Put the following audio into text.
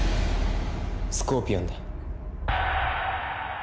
スコーピオンだ。